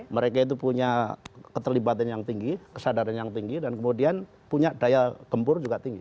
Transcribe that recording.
mereka itu punya keterlibatan yang tinggi kesadaran yang tinggi dan kemudian punya daya gempur juga tinggi